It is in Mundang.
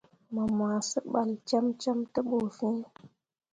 Mu ma sebal cemme te bu fin.